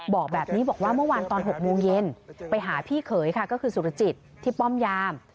บอกแบบนี้บอกว่าเมื่อวานตอน๖โมงเย็นไปหาพี่เขยค่ะก็คือสุรจิตที่ป้อมยาม